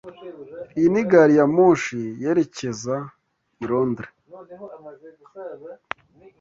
Iyi ni gari ya moshi yerekeza i Londres?